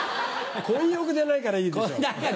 混浴じゃないからいいでしょ。